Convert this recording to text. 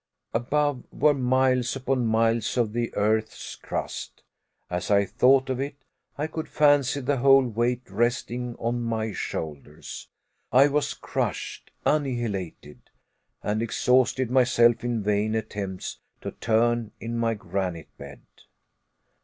Above were miles upon miles of the earth's crust. As I thought of it, I could fancy the whole weight resting on my shoulders. I was crushed, annihilated! and exhausted myself in vain attempts to turn in my granite bed.